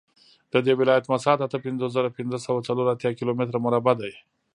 د دې ولایت مساحت اته پنځوس زره پنځه سوه څلور اتیا کیلومتره مربع دی